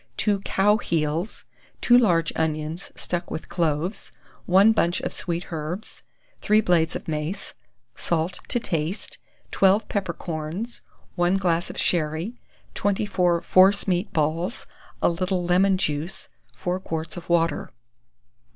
2 cow heels, 2 large onions stuck with cloves, 1 bunch of sweet herbs, 3 blades of mace, salt to taste, 12 peppercorns, 1 glass of sherry, 24 force meat balls, a little lemon juice, 4 quarts of water.